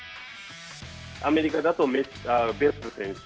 アメリカだとデップ選手